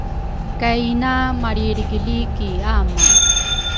kay ina malrilrigili ki ama.